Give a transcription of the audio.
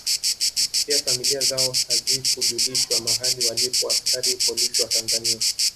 Pia familia zao hazikujulishwa mahali walipo askari polisi wa Tanzania